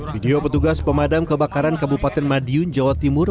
video petugas pemadam kebakaran kabupaten madiun jawa timur